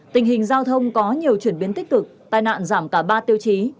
tình hình giao thông có nhiều chuyển biến tích cực tai nạn giảm cả ba tiêu chí